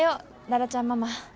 羅羅ちゃんママ。